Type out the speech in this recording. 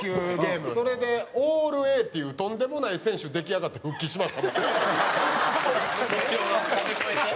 それでオールＡっていうとんでもない選手出来上がって復帰しましたもんね。